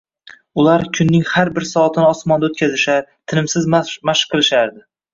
Ular kunning har bir soatini osmonda o‘tkazishar, tinimsiz mashq qilishardi.